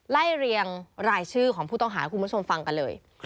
เรียงรายชื่อของผู้ต้องหาให้คุณผู้ชมฟังกันเลย